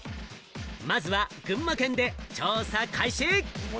まずは群馬県で調査開始。